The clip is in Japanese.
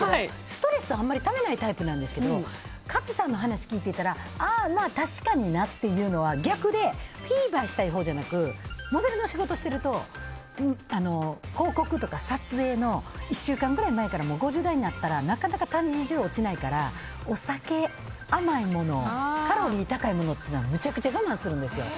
ストレスをあんまりためないタイプだったんですけどカズさんの話聞いてたら確かになっていうのは、逆でフィーバーしたいほうじゃなくモデルの仕事をしてると広告とかの撮影の１週間ぐらい前から５０代になったらなかなか体重落ちないからお酒、甘いものカロリー高いものをめちゃくちゃ我慢するんですよ。